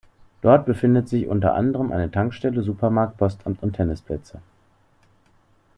Dort befindet sich unter anderem eine Tankstelle, Supermarkt, Postamt und Tennisplätze.